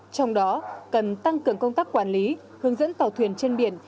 trong đó cần tăng cường công tác quản lý hướng dẫn tàu thuyền trên biển